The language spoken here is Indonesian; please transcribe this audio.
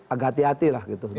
agak hati hati lah gitu